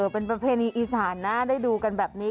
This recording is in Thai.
เป็นประเพณีอีสานนะได้ดูกันแบบนี้